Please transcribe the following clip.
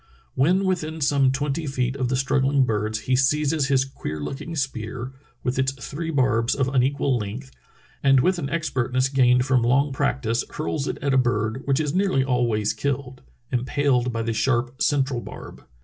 When within some twenty feet of the struggling birds he seizes his queer looking spear, with its three barbs of unequal length, and with an expertness gained from long prac tice hurls it at a bird, which is nearly always killed, impaled by the sharp central barb.